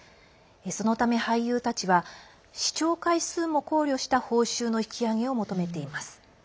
そのため、俳優たちは視聴回数も考慮した報酬の引き上げを求めています。